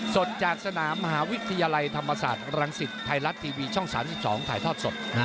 สดจากสนามมหาวิทยาลัยธรรมศาสตร์รังสิตไทยรัฐทีวีช่อง๓๒ถ่ายทอดสด